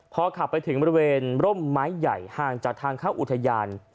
พอขับไปถึงบริเวณร่มไม้ใหญ่ห่างจากทางเข้าอุทยาน